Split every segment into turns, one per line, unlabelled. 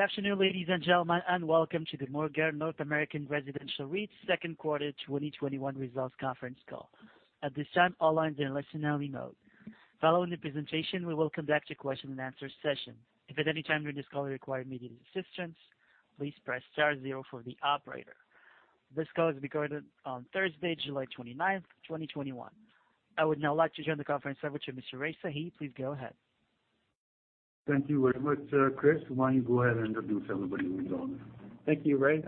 Good afternoon, ladies and gentlemen, and welcome to the Morguard North American Residential REIT second quarter 2021 results conference call. At this time, all lines are in listen-only mode. Following this presentation we will conduct a question-and-answer session. If at anytime you require assistance, please press star zero for the operator. This call is being recorded on Thursday, July 29th, 2021. I would now like to turn the conference over to Rai Sahi. Please go ahead.
Thank you very much, Chris. Why don't you go ahead and introduce everybody we've got?
Thank you, Rai.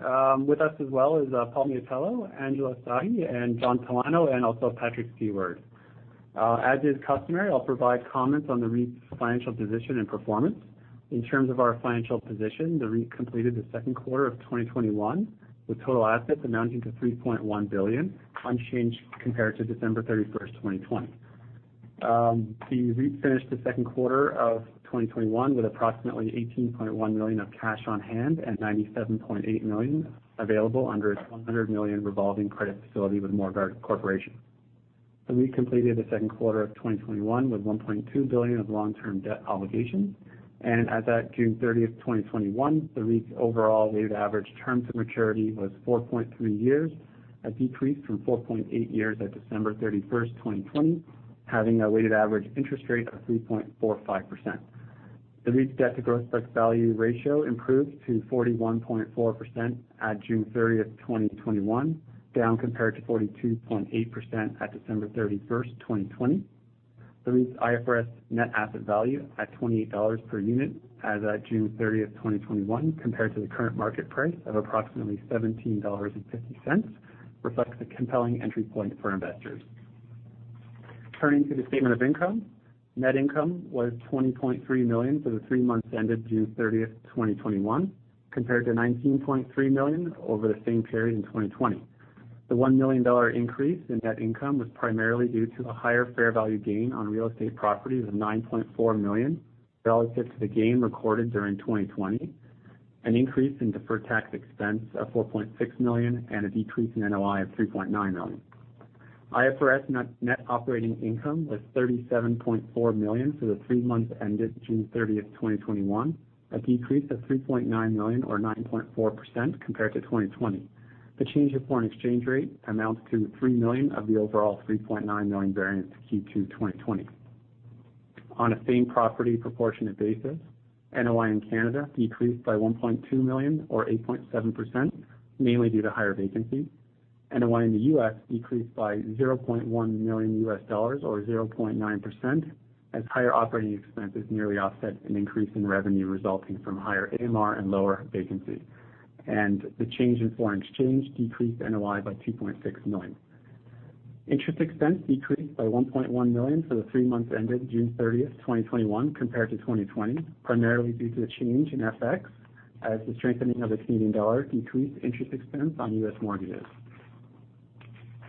With us as well is Paul Miatello, Angela Sahi, and John Talano, and also Patrick Seward. As is customary, I'll provide comments on the REIT's financial position and performance. In terms of our financial position, the REIT completed the second quarter of 2021 with total assets amounting to 3.1 billion, unchanged compared to December 31st, 2020. The REIT finished the second quarter of 2021 with approximately 18.1 million of cash on hand at 97.8 million available under its 100 million revolving credit facility with Morguard Corporation. The REIT completed the second quarter of 2021 with 1.2 billion of long-term debt obligations, and as at June 30th, 2021, the REIT's overall weighted average terms of maturity was 4.3 years, a decrease from 4.8 years at December 31st, 2020, having a weighted average interest rate of 3.45%. The REIT's debt to gross book value ratio improved to 41.4% at June 30th, 2021, down compared to 42.8% at December 31st, 2020. The REIT's IFRS net asset value at 28 dollars per unit as at June 30th, 2021, compared to the current market price of approximately 17.50 dollars, reflects a compelling entry point for investors. Turning to the statement of income, net income was 20.3 million for the three months ended June 30th, 2021, compared to 19.3 million over the same period in 2020. The 1 million dollar increase in net income was primarily due to a higher fair value gain on real estate properties of 9.4 million relative to the gain recorded during 2020, an increase in deferred tax expense of 4.6 million, and a decrease in NOI of 3.9 million. IFRS net operating income was 37.4 million for the three months ended June 30th, 2021, a decrease of 3.9 million or 9.4% compared to 2020. The change in foreign exchange rate amounts to 3 million of the overall 3.9 million variance to Q2 2020. On a same-property proportionate basis, NOI in Canada decreased by 1.2 million, or 8.7%, mainly due to higher vacancy. NOI in the U.S. decreased by $0.1 million, or 0.9%, as higher operating expenses nearly offset an increase in revenue resulting from higher AMR and lower vacancy. The change in foreign exchange decreased NOI by 2.6 million. Interest expense decreased by 1.1 million for the three months ended June 30th, 2021, compared to 2020, primarily due to the change in FX, as the strengthening of the Canadian dollar decreased interest expense on U.S. mortgages.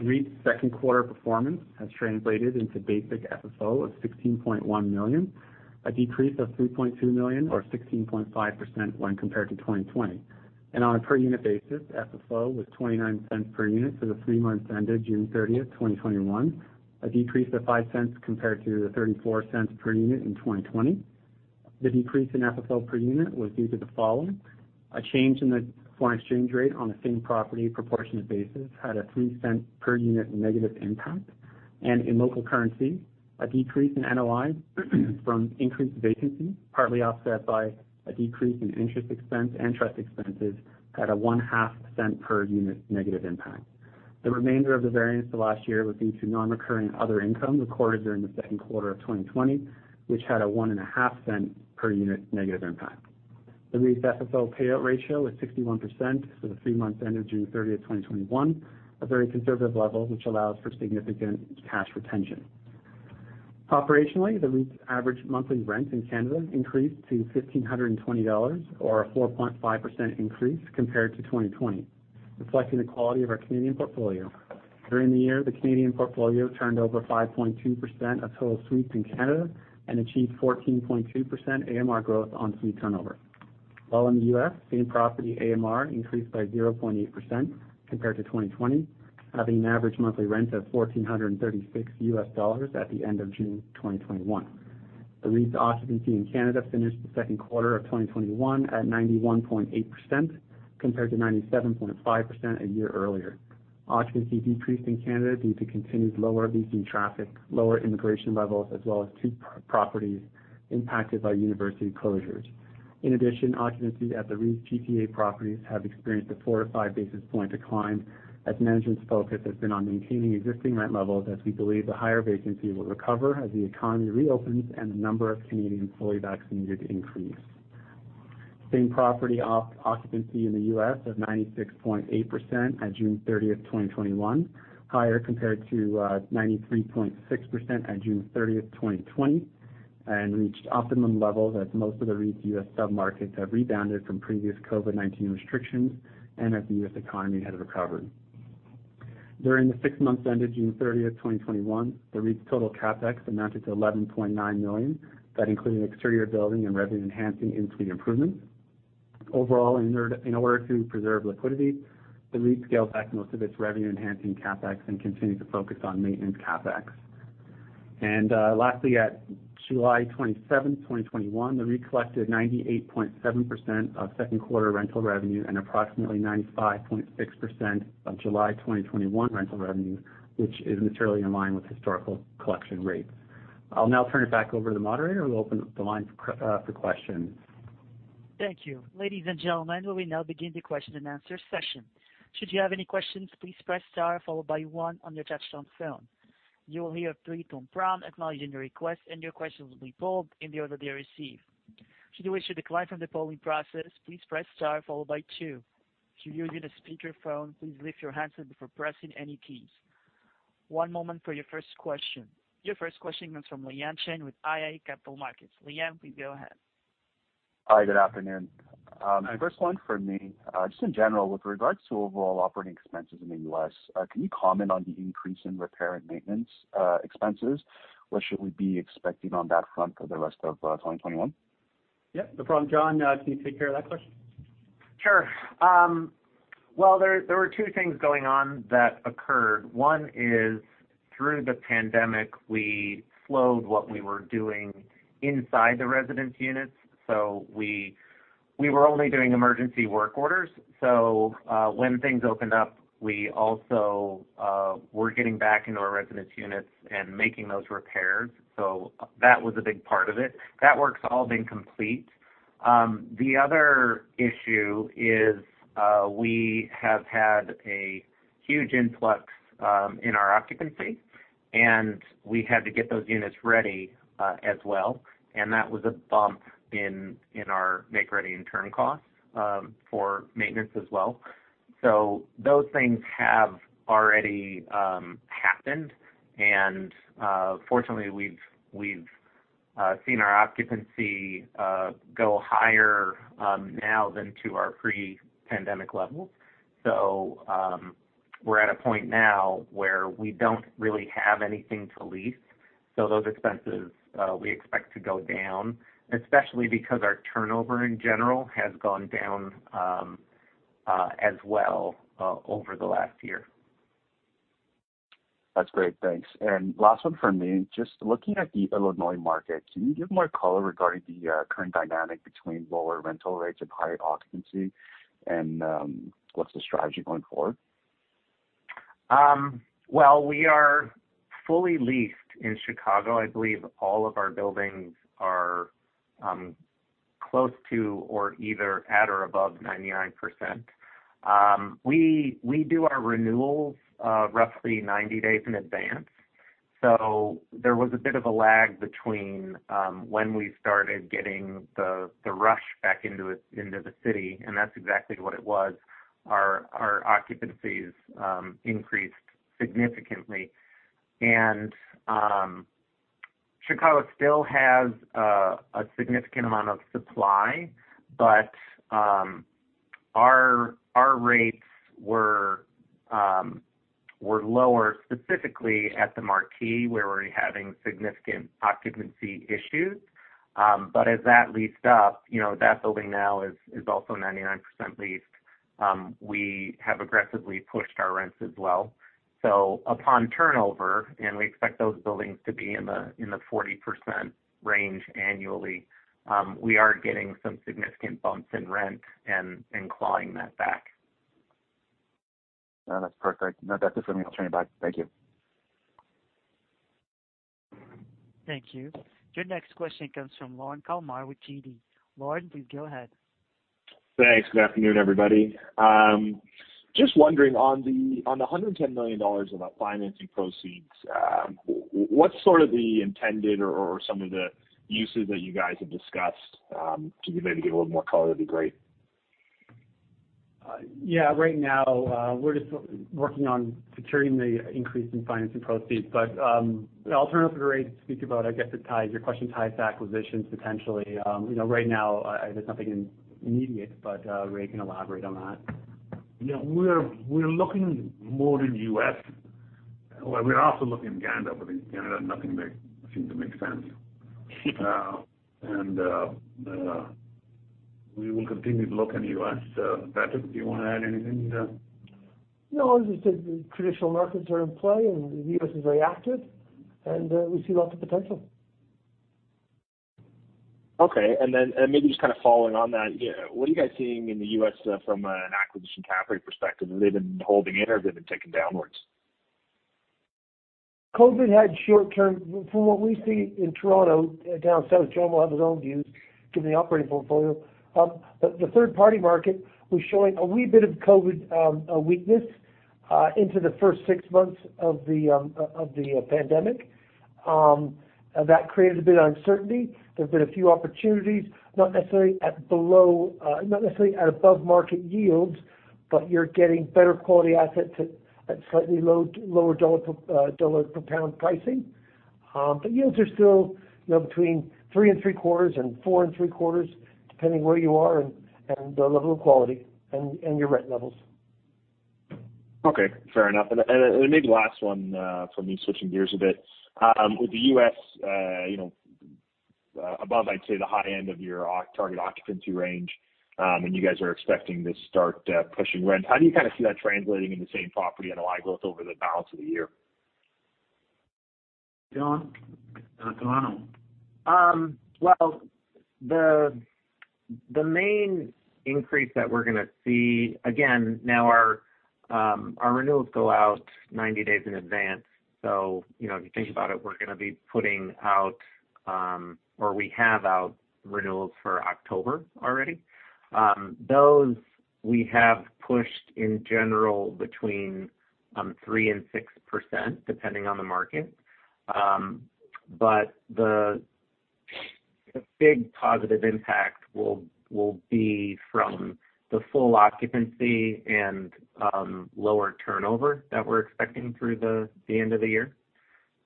REIT's second quarter performance has translated into basic FFO of 16.1 million, a decrease of 3.2 million, or 16.5% when compared to 2020. On a per unit basis, FFO was 0.29 per unit for the three months ended June 30th, 2021, a decrease of 0.05 compared to the 0.34 per unit in 2020. The decrease in FFO per unit was due to the following. A change in the foreign exchange rate on a same-property proportionate basis had a 0.03 per unit negative impact. In local currency, a decrease in NOI from increased vacancy, partly offset by a decrease in interest expense and trust expenses, had a CAD 0.005 per unit negative impact. The remainder of the variance to last year was due to non-recurring other income recorded during the second quarter of 2020, which had a 0.015 per unit negative impact. The REIT's FFO payout ratio was 61% for the three months ended June 30th, 2021, a very conservative level, which allows for significant cash retention. Operationally, the REIT's average monthly rent in Canada increased to 1,520 dollars, or a 4.5% increase compared to 2020, reflecting the quality of our Canadian portfolio. During the year, the Canadian portfolio turned over 5.2% of total suites in Canada and achieved 14.2% AMR growth on suite turnover. While in the U.S., same property AMR increased by 0.8% compared to 2020, having an average monthly rent of $1,436 at the end of June 2021. The REIT's occupancy in Canada finished the second quarter of 2021 at 91.8% compared to 97.5% a year earlier. Occupancy decreased in Canada due to continued lower leasing traffic, lower immigration levels, as well as two properties impacted by university closures. In addition, occupancy at the REIT's GTA properties have experienced a 4 to 5 basis point decline as management's focus has been on maintaining existing rent levels as we believe the higher vacancy will recover as the economy reopens and the number of Canadians fully vaccinated increase. Same property occupancy in the U.S. was 96.8% at June 30th, 2021, higher compared to 93.6% at June 30th, 2020, and reached optimum levels as most of the REIT's U.S. sub-markets have rebounded from previous COVID-19 restrictions and as the U.S. economy has recovered. During the six months ended June 30th, 2021, the REIT's total CapEx amounted to 11.9 million. That included exterior building and revenue-enhancing in-suite improvements. Overall, in order to preserve liquidity, the REIT scaled back most of its revenue-enhancing CapEx and continued to focus on maintenance CapEx. Lastly, at July 27th, 2021, the REIT collected 98.7% of second quarter rental revenue and approximately 95.6% of July 2021 rental revenue, which is materially in line with historical collection rates. I'll now turn it back over to the moderator, who will open up the line for questions.
Thank you. Ladies and gentlemen, we will now begin the question-and-answer session. Should you have any question, please press star followed by one on your touchtone phone. You'll hear a three-tone prompt acknowledging your request and requests will be popped in the order they are received. Should you wish to decline from the following process, please press star followed by two. To use your speaker phone please lift your handset before pressing any keys. To Your first question comes from Lyan Chen with iA Capital Markets. Lyan, please go ahead.
Hi, good afternoon. My first one for me, just in general, with regards to overall operating expenses in the U.S., can you comment on the increase in repair and maintenance expenses? What should we be expecting on that front for the rest of 2021?
Yeah, no problem. John, can you take care of that question?
Sure. There were two things going on that occurred. One is through the pandemic, we slowed what we were doing inside the residence units. We were only doing emergency work orders. When things opened up, we also were getting back into our residence units and making those repairs. That was a big part of it. That work's all been complete. The other issue is we have had a huge influx in our occupancy, and we had to get those units ready as well. That was a bump in our make-ready and turn cost for maintenance as well. Those things have already happened. Fortunately, we've seen our occupancy go higher now than to our pre-pandemic levels. We're at a point now where we don't really have anything to lease. Those expenses we expect to go down, especially because our turnover in general has gone down as well over the last year.
That's great. Thanks. Last one from me. Just looking at the Illinois market, can you give more color regarding the current dynamic between lower rental rates and higher occupancy, and what's the strategy going forward?
Well, we are fully leased in Chicago. I believe all of our buildings are close to or either at or above 99%. We do our renewals roughly 90 days in advance. There was a bit of a lag between when we started getting the rush back into the city, and that's exactly what it was. Our occupancies increased significantly. Chicago still has a significant amount of supply, but our rates were lower, specifically at The Marquee, where we're having significant occupancy issues. As that leased up, that building now is also 99% leased. We have aggressively pushed our rents as well. Upon turnover, and we expect those buildings to be in the 40% range annually, we are getting some significant bumps in rent and clawing that back.
No, that's perfect. No, that's it for me. I'll turn it back. Thank you.
Thank you. Your next question comes from Lorne Kalmar with TD. Lorne, please go ahead.
Thanks. Good afternoon, everybody. Just wondering on the 110 million dollars of financing proceeds, what's sort of the intended or some of the uses that you guys have discussed? Can you maybe give a little more color, that'd be great.
Yeah. Right now, we're just working on securing the increase in financing proceeds. I'll turn it over to Rai to speak about, I guess your question ties to acquisitions potentially. Right now, there's nothing immediate, but Rai can elaborate on that.
We're looking more to the U.S. Well, we're also looking in Canada, but in Canada, nothing seems to make sense. We will continue to look in the U.S. Patrick, do you want to add anything?
No, as I said, the traditional markets are in play, and the U.S. is very active, and we see lots of potential.
Okay, maybe just kind of following on that, what are you guys seeing in the U.S. from an acquisition cap rate perspective? Have they been holding in or have they been ticking downwards?
From what we see in Toronto, down south, John will have his own views given the operating portfolio. The third-party market was showing a wee bit of COVID weakness into the first six months of the pandemic. That created a bit of uncertainty. There's been a few opportunities, not necessarily at above market yields, but you're getting better quality assets at slightly lower dollar per pound pricing. Yields are still between three and three-quarters and four and three-quarters, depending where you are and the level of quality and your rent levels.
Okay, fair enough. Maybe last one from me, switching gears a bit. With the U.S. above, I'd say, the high end of your target occupancy range, and you guys are expecting to start pushing rent. How do you see that translating into same-property NOI growth over the balance of the year?
John Talano?
Well, the main increase that we're going to see, again, now our renewals go out 90 days in advance. So if you think about it, we're going to be putting out, or we have out renewals for October already. Those we have pushed in general between 3% and 6%, depending on the market. But the big positive impact will be from the full occupancy and lower turnover that we're expecting through the end of the year.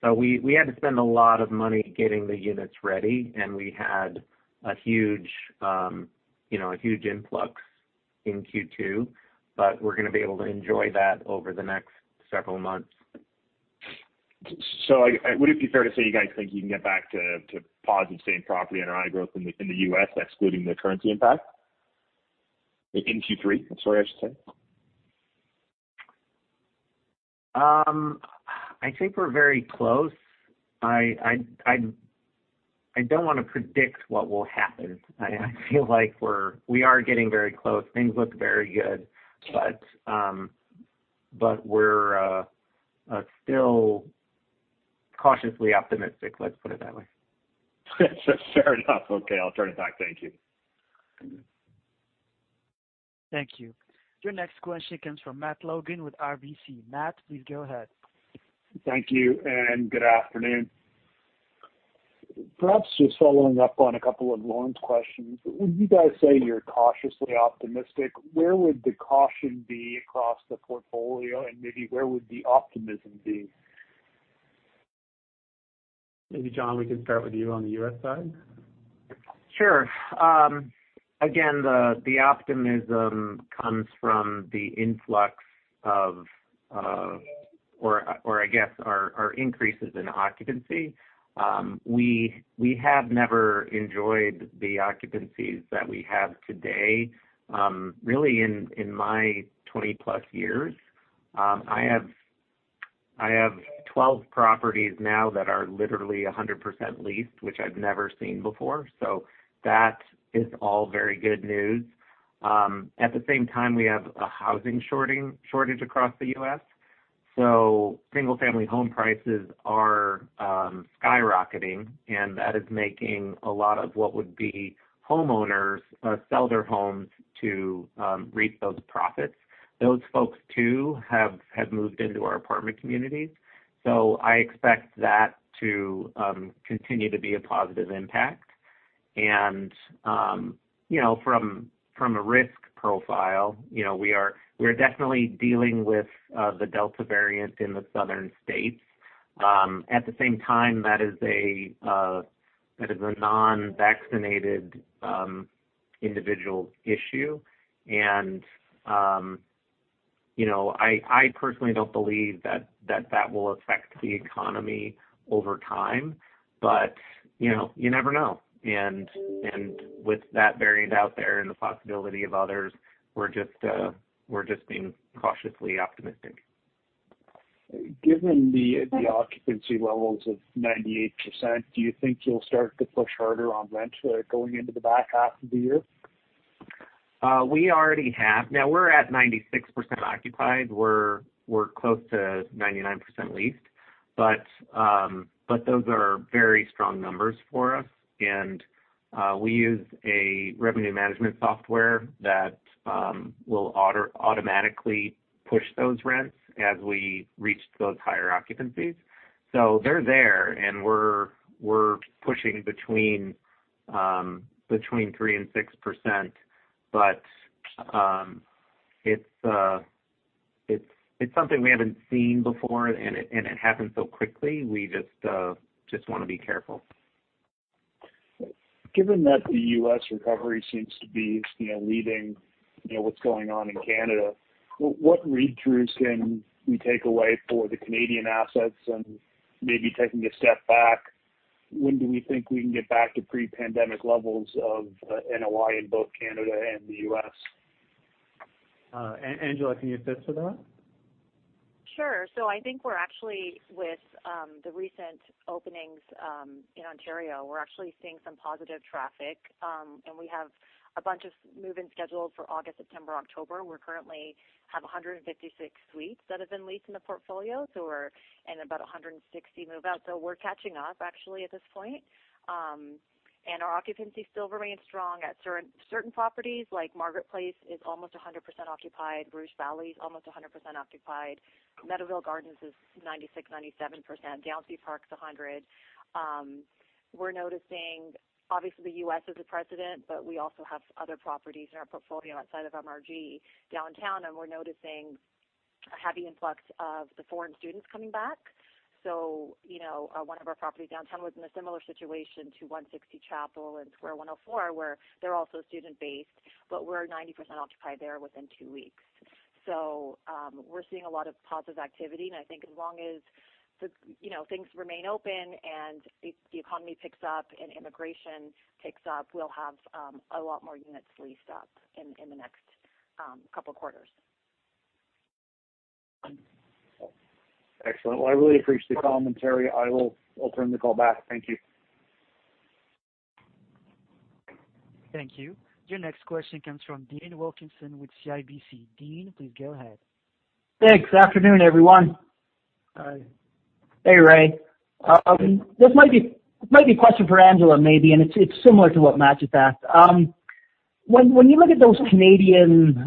So we had to spend a lot of money getting the units ready, and we had a huge influx in Q2, but we're going to be able to enjoy that over the next several months.
Would it be fair to say you guys think you can get back to positive same-property NOI growth in the U.S., excluding the currency impact, in Q3? Sorry, I should say.
I think we're very close. I don't want to predict what will happen. I feel like we are getting very close. Things look very good. We're still cautiously optimistic, let's put it that way.
Fair enough. Okay, I'll turn it back. Thank you.
Thank you. Your next question comes from Matt Logan with RBC. Matt, please go ahead.
Thank you, and good afternoon. Perhaps just following up on a couple of Lorne's questions. When you guys say you're cautiously optimistic, where would the caution be across the portfolio, and maybe where would the optimism be?
Maybe John, we can start with you on the U.S. side.
Sure. The optimism comes from the influx of or I guess our increases in occupancy. We have never enjoyed the occupancies that we have today, really in my 20+ years. I have 12 properties now that are literally 100% leased, which I've never seen before. That is all very good news. At the same time, we have a housing shortage across the U.S., so single-family home prices are skyrocketing, and that is making a lot of what would be homeowners sell their homes to reap those profits. Those folks too have moved into our apartment communities. I expect that to continue to be a positive impact. From a risk profile, we are definitely dealing with the Delta variant in the southern states. At the same time, that is a non-vaccinated individual issue, and I personally don't believe that that will affect the economy over time. You never know. With that variant out there and the possibility of others, we're just being cautiously optimistic.
Given the occupancy levels of 98%, do you think you'll start to push harder on rents going into the back half of the year?
We already have. Now we're at 96% occupied. We're close to 99% leased. Those are very strong numbers for us, and we use a revenue management software that will automatically push those rents as we reach those higher occupancies. They're there, and we're pushing between 3% and 6%, but it's something we haven't seen before, and it happened so quickly. We just want to be careful.
Given that the U.S. recovery seems to be leading what's going on in Canada, what read-throughs can we take away for the Canadian assets? Maybe taking a step back, when do we think we can get back to pre-pandemic levels of NOI in both Canada and the U.S.?
Angela, can you answer that?
Sure. I think we're actually with the recent openings in Ontario. We're actually seeing some positive traffic. We have a bunch of move-ins scheduled for August, September, October. We currently have 156 suites that have been leased in the portfolio, so we're in about 160 move-out. We're catching up actually at this point. Our occupancy still remains strong at certain properties. Like Margaret Place is almost 100% occupied. Rouge Valley is almost 100% occupied. Meadowvale Gardens is 96%, 97%. Downsview Park is 100. We're noticing, obviously, the U.S. is a precedent, but we also have other properties in our portfolio outside of MRG downtown, and we're noticing a heavy influx of the foreign students coming back. One of our properties downtown was in a similar situation to 160 Chapel and Square 104, where they're also student-based, but we're 90% occupied there within two weeks. We're seeing a lot of positive activity, and I think as long as things remain open and the economy picks up and immigration picks up, we'll have a lot more units leased up in the next couple of quarters.
Excellent. Well, I really appreciate the commentary. I will turn the call back. Thank you.
Thank you. Your next question comes from Dean Wilkinson with CIBC. Dean, please go ahead.
Thanks. Afternoon, everyone.
Hi.
Hey, Rai. This might be a question for Angela, maybe. It's similar to what Matt Logan asked. When you look at those Canadian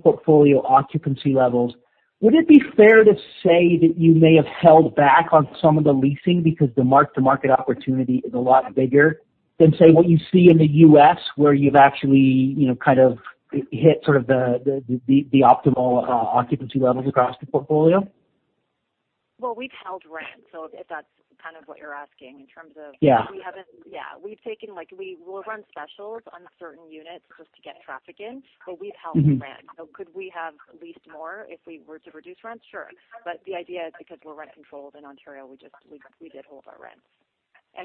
portfolio occupancy levels, would it be fair to say that you may have held back on some of the leasing because the mark-to-market opportunity is a lot bigger than, say, what you see in the U.S., where you've actually kind of hit sort of the optimal occupancy levels across the portfolio?
Well, we've held rent. If that's kind of what you're asking.
Yeah
Yeah. We'll run specials on certain units just to get traffic in, but we've held rent. Could we have leased more if we were to reduce rent? Sure. The idea is because we're rent controlled in Ontario, we did hold our rents.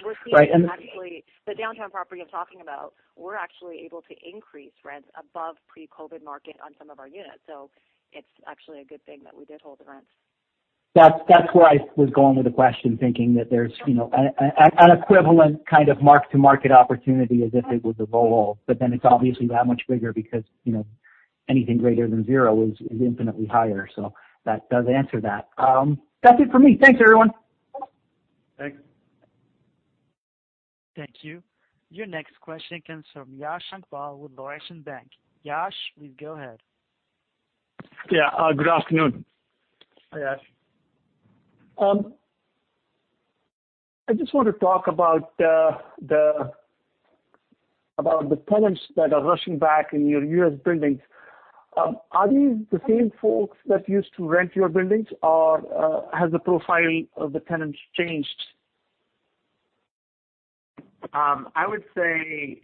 We're seeing actually the downtown property I'm talking about, we're actually able to increase rents above pre-COVID market on some of our units. It's actually a good thing that we did hold the rents.
That's where I was going with the question, thinking that there's an equivalent kind of mark-to-market opportunity as if it was a low. It's obviously that much bigger because anything greater than zero is infinitely higher. That does answer that. That's it for me. Thanks, everyone.
Thanks.
Thank you. Your next question comes from Yashwant Sankpal with Laurentian Bank. Yash, please go ahead.
Yeah. Good afternoon.
Hi, Yash.
I just want to talk about the tenants that are rushing back in your U.S. buildings. Are these the same folks that used to rent your buildings, or has the profile of the tenants changed?
I would say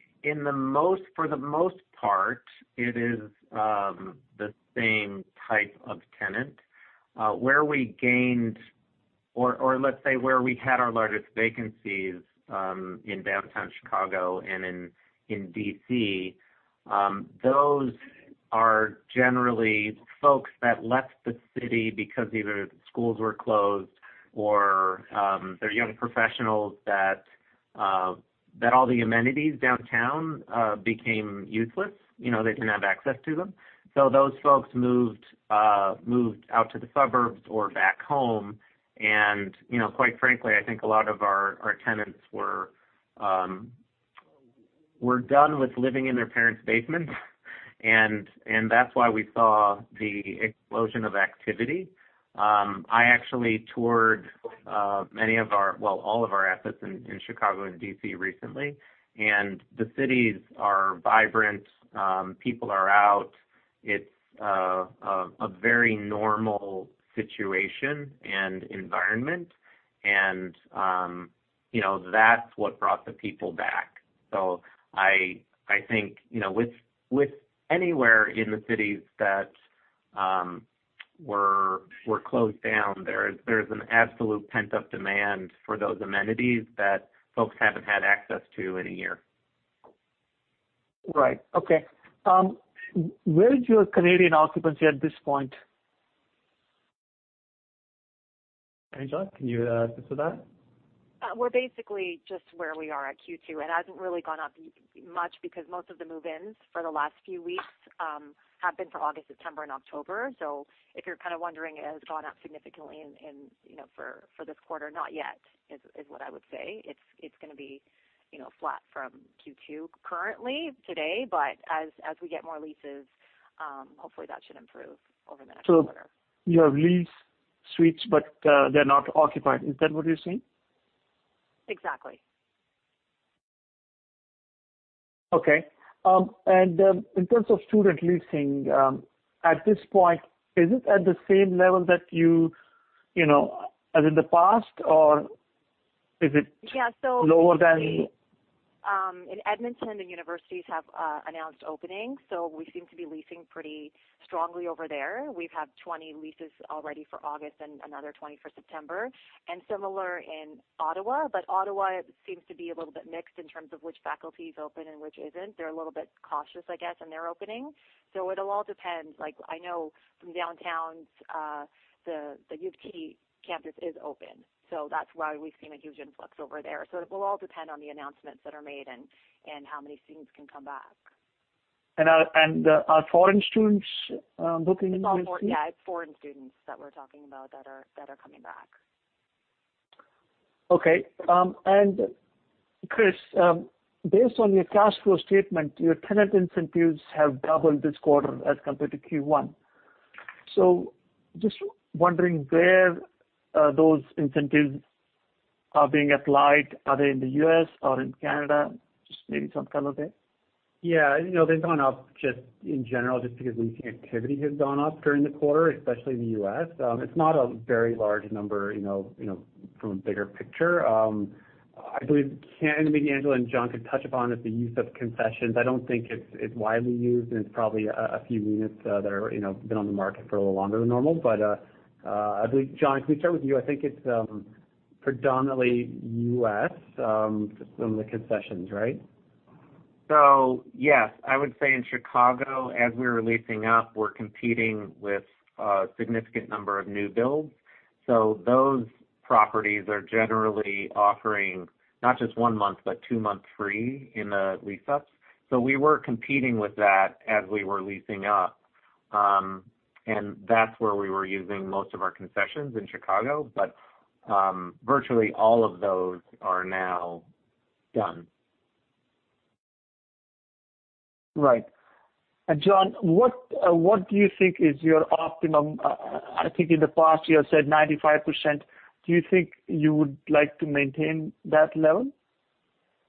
for the most part, it is the same type of tenant. Where we gained or, let's say, where we had our largest vacancies in Downtown Chicago and in D.C., those are generally folks that left the city because either the schools were closed or they're young professionals that all the amenities downtown became useless. They didn't have access to them. Those folks moved out to the suburbs or back home, and quite frankly, I think a lot of our tenants were done with living in their parents' basement, and that's why we saw the explosion of activity. I actually toured many of our, well, all of our assets in Chicago and D.C. recently, and the cities are vibrant. People are out. It's a very normal situation and environment, and that's what brought the people back. I think with anywhere in the cities that were closed down, there is an absolute pent-up demand for those amenities that folks haven't had access to in 1 year.
Right. Okay. Where is your Canadian occupancy at this point?
Angela, can you answer that?
We're basically just where we are at Q2. It hasn't really gone up much because most of the move-ins for the last few weeks have been for August, September, and October. If you're kind of wondering, it has gone up significantly for this quarter, not yet, is what I would say. It's going to be flat from Q2 currently today. As we get more leases, hopefully that should improve over the next quarter.
You have lease suites, but they're not occupied. Is that what you're saying?
Exactly.
Okay. In terms of student leasing, at this point, is it at the same level as in the past, or is it lower than?
In Edmonton, the universities have announced openings, so we seem to be leasing pretty strongly over there. We've had 20 leases already for August and another 20 for September, and similar in Ottawa. Ottawa seems to be a little bit mixed in terms of which faculty is open and which isn't. They're a little bit cautious, I guess, in their opening. It'll all depend. I know from downtown, the University of Toronto campus is open. That's why we've seen a huge influx over there. It will all depend on the announcements that are made and how many students can come back.
Are foreign students booking in as well?
Yeah. Foreign students that we're talking about that are coming back.
Okay. Chris, based on your cash flow statement, your tenant incentives have doubled this quarter as compared to Q1. Just wondering where those incentives are being applied. Are they in the U.S. or in Canada? Just maybe some color there.
They've gone up just in general, just because leasing activity has gone up during the quarter, especially in the U.S. It's not a very large number from a bigger picture. I believe John, maybe Angela and John could touch upon is the use of concessions. I don't think it's widely used, and it's probably a few units that are been on the market for a little longer than normal. I believe, John, can we start with you? I think it's predominantly U.S., just on the concessions, right?
Yes, I would say in Chicago, as we were leasing up, we are competing with a significant number of new builds. Those properties are generally offering not just one month, but two months free in the lease-ups. We were competing with that as we were leasing up. That is where we were using most of our concessions in Chicago. Virtually all of those are now done.
Right. John, what do you think is your optimum? I think in the past you have said 95%. Do you think you would like to maintain that level,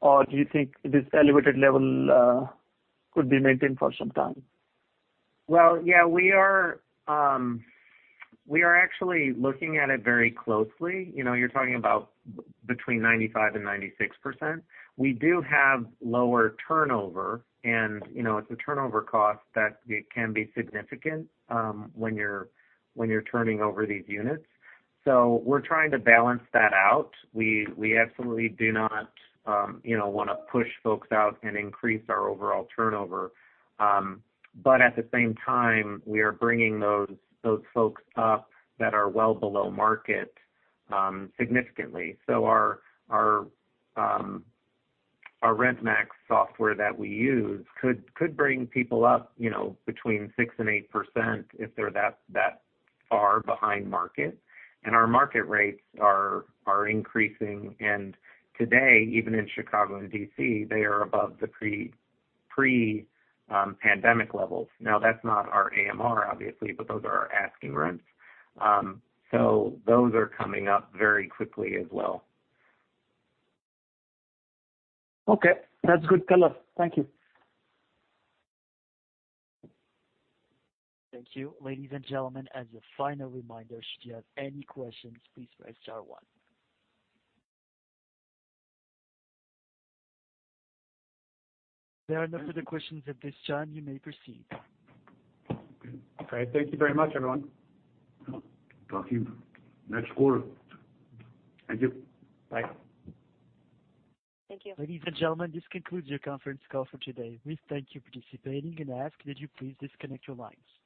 or do you think this elevated level could be maintained for some time?
Well, yeah, we are actually looking at it very closely. You're talking about between 95% and 96%. We do have lower turnover and, it's a turnover cost that can be significant when you're turning over these units. We're trying to balance that out. We absolutely do not want to push folks out and increase our overall turnover. At the same time, we are bringing those folks up that are well below market, significantly. Our LandlordMax software that we use could bring people up, between 6% and 8% if they're that far behind market. Our market rates are increasing. Today, even in Chicago and D.C., they are above the pre-pandemic levels. Now, that's not our AMR, obviously, but those are our asking rents. Those are coming up very quickly as well.
Okay, that's good color. Thank you.
Thank you. Ladies and gentlemen, as a final reminder, should you have any questions, please press star one. There are no further questions at this time. You may proceed.
Great. Thank you very much, everyone.
Talk to you next quarter. Thank you.
Bye.
Thank you.
Ladies and gentlemen, this concludes your conference call for today. We thank you for participating and ask that you please disconnect your lines.